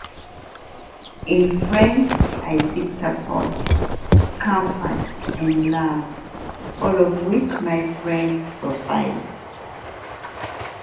In friends, I seek support, comfort, and love, all of which my friend provides.